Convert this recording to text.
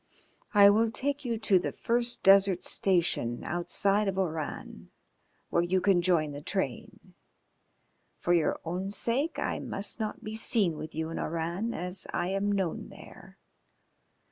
"I will take you to the first desert station outside of Oran, where you can join the train. For your own sake I must not be seen with you in Oran, as I am known there.